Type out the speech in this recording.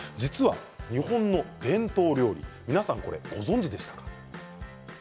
日本の伝統料理皆さん、これご存じでしたか？